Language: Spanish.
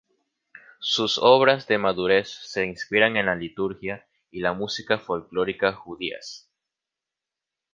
Sus obras de madurez se inspiran en la liturgia y la música folclórica judías.